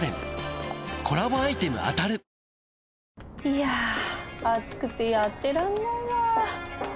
いやー暑くてやってらんないな